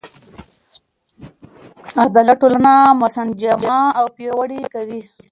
عدالت ټولنه منسجمه او پیاوړې کوي.